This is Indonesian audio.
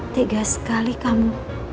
tegas sekali kamu